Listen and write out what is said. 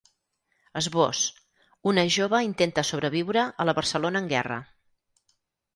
Esbós: Una jove intenta sobreviure a la Barcelona en guerra.